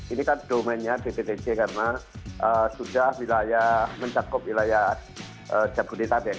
ini kan domennya pptc karena sudah mencakup wilayah jabodetabek